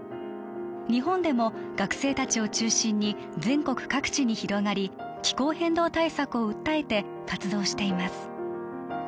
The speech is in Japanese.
日本でも学生たちを中心に全国各地に広がり気候変動対策を訴えて活動しています